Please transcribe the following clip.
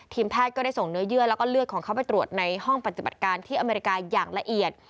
แพทย์ก็ได้ส่งเนื้อเยื่อแล้วก็เลือดของเขาไปตรวจในห้องปฏิบัติการที่อเมริกาอย่างละเอียด